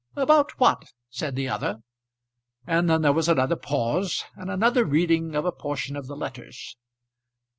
"About what?" said the other. And then there was another pause, and another reading of a portion of the letters.